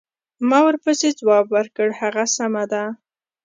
ما ورپسې ځواب ورکړ: هغه سمه ده.